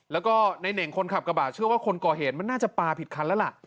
แล้วก็ในเน่งคนขับกระบะเชื่อว่าคนก่อเหตุมันน่าจะปลาผิดคันแล้วล่ะ